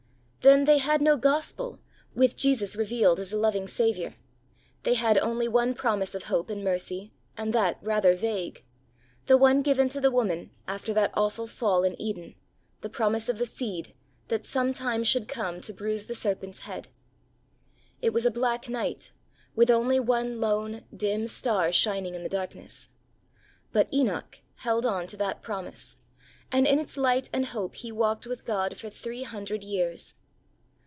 Then they had no Gospel, with Jesus revealed as a loving Saviour; they had only one promise of hope and mercy, and that rather vague — the one given to the woman after that awful fall in Eden, the promise of the Seed that sometime should come to bruise the Serpent's head. It was a black night, with only one lone dim star shining in the darkness. But Enoch held on to that promise, and in its light and hope he walked with God for three hundred years.